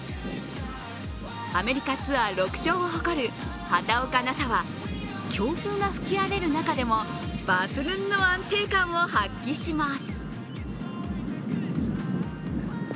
アメリカツアー６勝を誇る畑岡奈紗は強風が吹き荒れる中でも抜群の安定感を発揮します。